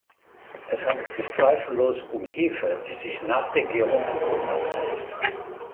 Es handelt sich zweifellos um Hefe, die sich nach der Gärung am Boden absetzt.